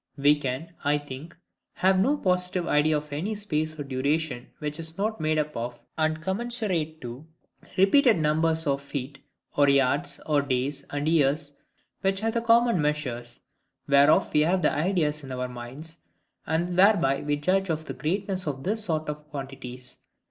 We can, I think, have no positive idea of any space or duration which is not made up of, and commensurate to, repeated numbers of feet or yards, or days and years; which are the common measures, whereof we have the ideas in our minds, and whereby we judge of the greatness of this sort of quantities.